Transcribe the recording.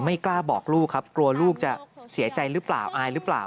กล้าบอกลูกครับกลัวลูกจะเสียใจหรือเปล่าอายหรือเปล่า